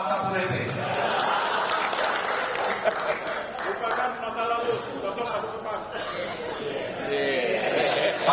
masa lalu masuk ke depan